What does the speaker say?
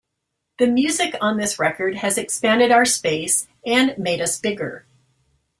The music on this record has expanded our space and made us bigger.